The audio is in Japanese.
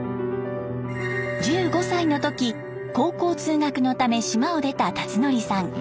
１５歳の時高校通学のため島を出た辰徳さん。